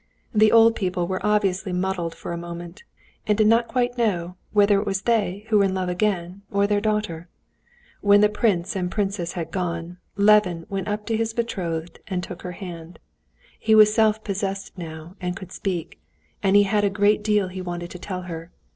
The old people were obviously muddled for a moment, and did not quite know whether it was they who were in love again or their daughter. When the prince and the princess had gone, Levin went up to his betrothed and took her hand. He was self possessed now and could speak, and he had a great deal he wanted to tell her.